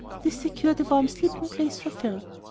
This secured a warm sleeping place for Phil.